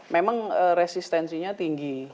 memang resistensinya tinggi